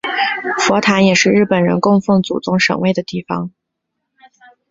佛坛也是日本人供奉祖宗神位的地方。